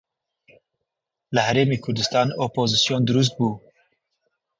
لە هەرێمی کوردستان ئۆپۆزسیۆن دروست بوو